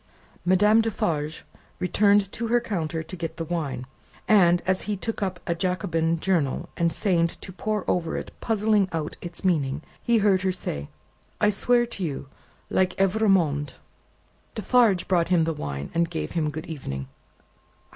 Madame Defarge returned to her counter to get the wine, and, as he took up a Jacobin journal and feigned to pore over it puzzling out its meaning, he heard her say, "I swear to you, like Evrémonde!" Defarge brought him the wine, and gave him Good Evening.